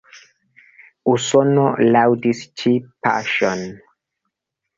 Usono laŭdis ĉi paŝon.